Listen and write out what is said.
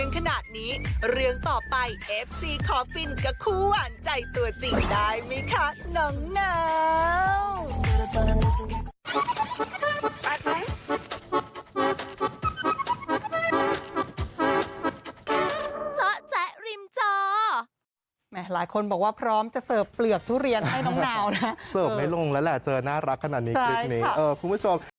คุณผู้อ่านใจตัวจริงได้มั้ยคะน้องนาว